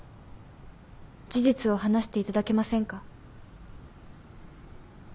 事実を話していただけませんか？